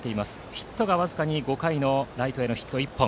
ヒットが僅かに５回のライトへの１本。